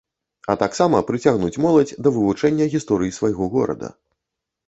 А таксама прыцягнуць моладзь да вывучэння гісторыі свайго горада.